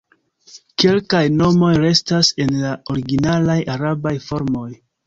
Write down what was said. Kelkaj nomoj restas en la originalaj arabaj formoj.